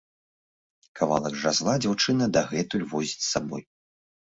Кавалак жазла дзяўчына дагэтуль возіць з сабой.